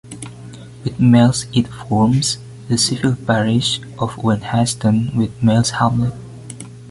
With Mells it forms the civil parish of Wenhaston with Mells Hamlet.